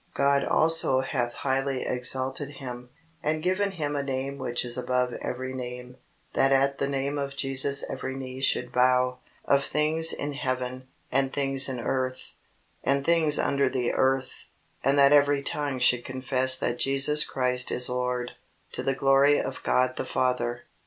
"God also hath highly exalted him, and given him a name which is above every name: that at the name of Jesus every knee should bow, of things in heaven, and things in earth, and things under the earth; and that every tongue should confess that Jesus Christ is Lord, to the glory of God the Father."